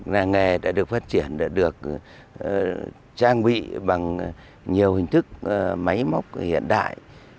làng nghề đã được phát triển đã được trang bị bằng nhiều hình thức máy móc hiện đại